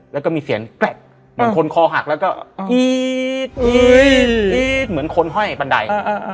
แล้วก็มีเสียงแกร็ดเหมือนคนคอหักแล้วก็กรี๊ดเหมือนคนห้อยบันได